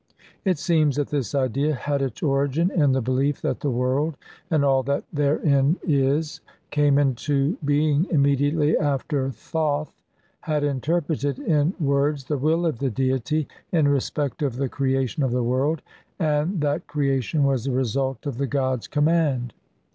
It seems that this idea had its origin in the belief that the world and all that therein is came into being immediately after Thoth had interpreted in words the will of the deity, in respect of the creation of the world, and that creation was the result of the god's command.